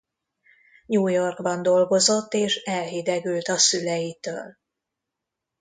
New Yorkban dolgozott és elhidegült a szüleitől.